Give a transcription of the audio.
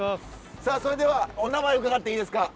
さあそれではお名前伺っていいですか。